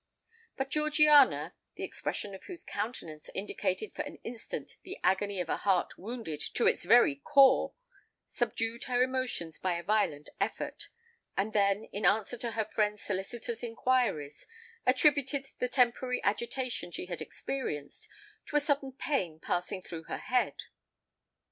But Georgiana,—the expression of whose countenance indicated for an instant the agony of a heart wounded to its very core,—subdued her emotions by a violent effort; and then, in answer to her friend's solicitous inquiries, attributed the temporary agitation she had experienced to a sudden pain passing through her head.